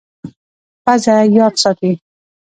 پزه یاد ساتي.